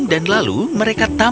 dan lalu meraihkan perang